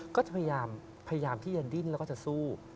ก็จะพยายามที่จะดิ้นแล้วก็จะสู้